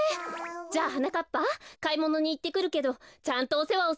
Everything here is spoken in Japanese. じゃあはなかっぱかいものにいってくるけどちゃんとおせわをするのよ。